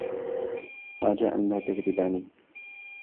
رجاءً لا تكذب علي.